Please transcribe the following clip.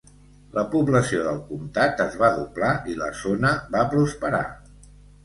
La població del comtat es va doblar i la zona va prosperar.